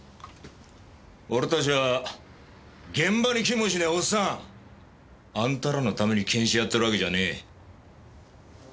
俺たちは現場に来もしねえおっさんあんたらのために検視やってるわけじゃねえ。